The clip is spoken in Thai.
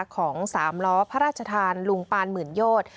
ของสามล้อพระราชทานลุงปานหมื่นโยชน์